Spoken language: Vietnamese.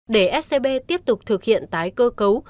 để scb tiếp tục thực hiện tái cơ cấu